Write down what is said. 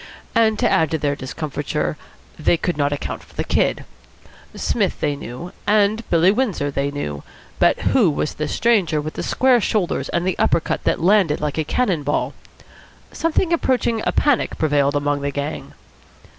And, to add to their discomfiture, they could not account for the Kid. Psmith they knew, and Billy Windsor they knew, but who was this stranger with the square shoulders and the upper cut that landed like a cannon ball? Something approaching a panic prevailed among the gang.